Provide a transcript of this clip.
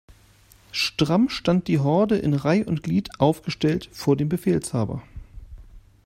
Stramm stand die Horde in Reih' und Glied aufgestellt vor dem Befehlshaber.